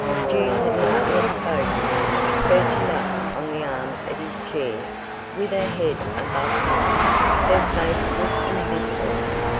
June had not yet spoken. Perched thus on the arm of his chair, with her head above him, her face was invisible.